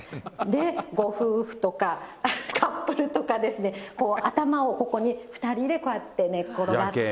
ご夫婦とか、カップルとかですね、頭をここに２人でこうやって寝っ転がって。